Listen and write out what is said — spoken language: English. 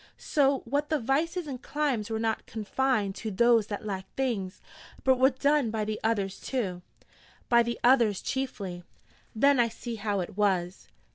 'So that the vices and climes were not confined to those that lacked things, but were done by the others, too?' 'By the others chiefly.' 'Then I see how it was!'